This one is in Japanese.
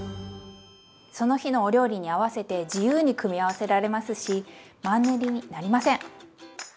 その日のお料理に合わせて自由に組み合わせられますしマンネリになりません！